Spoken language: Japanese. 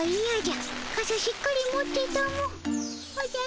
おじゃ。